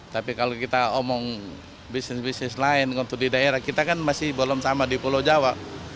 tapi kalau kita omong bisnis bisnis lain untuk di daerah kita kan masih belum sama di pulau jawa